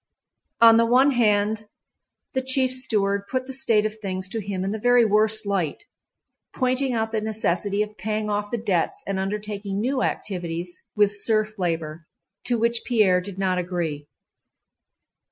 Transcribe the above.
On the one hand, the chief steward put the state of things to him in the very worst light, pointing out the necessity of paying off the debts and undertaking new activities with serf labor, to which Pierre did not agree.